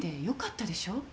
良かったでしょ？